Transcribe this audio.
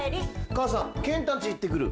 母さんケンタん家行ってくる。